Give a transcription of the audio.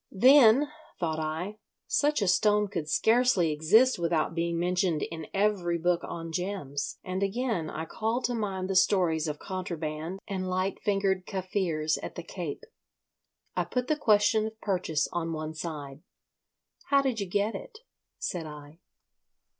Then, thought I, such a stone could scarcely exist without being mentioned in every book on gems, and again I called to mind the stories of contraband and light fingered Kaffirs at the Cape. I put the question of purchase on one side. "How did you get it?" said I.